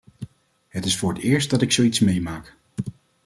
Het is voor het eerst dat ik zoiets meemaak.